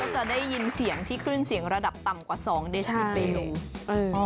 จะได้ยินเสียงที่คลื่นเสียงระดับต่ำกว่า๒เดชิเบล